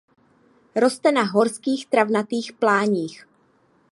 Roste na horských travnatých pláních.